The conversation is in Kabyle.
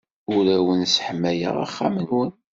Ur awen-sseḥmayeɣ axxam-nwen.